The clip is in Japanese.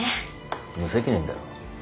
無責任だろう。